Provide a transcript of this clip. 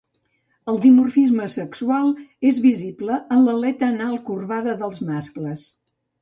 El dimorfisme sexual és visible en l'aleta anal corbada dels mascles.